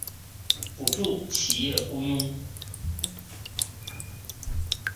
补助企业雇用